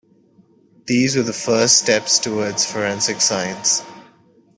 These were the first steps towards forensic science.